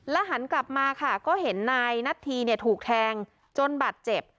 และหันกลับมาค่ะก็เห็นนายนัดทีเนี่ยถูกแทงจนบัดเจ็บ